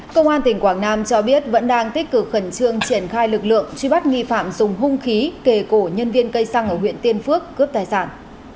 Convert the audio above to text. công an tỉnh quảng nam cho biết vẫn đang tích cực khẩn trương triển khai lực lượng truy bắt nghi phạm dùng hung khí kề cổ nhân viên cây xăng ở huyện tiên phước cướp tài sản